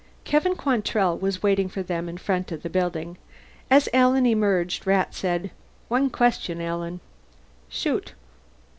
Kevin Quantrell was waiting for them in front of the building. As Alan emerged Rat said, "One question, Alan." "Shoot."